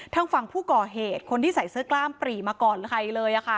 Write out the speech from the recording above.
ทางฝั่งผู้ก่อเหตุคนที่ใส่เสื้อกล้ามปรีมาก่อนใครเลย